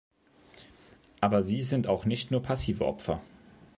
Aber sie sind auch nicht nur passive Opfer.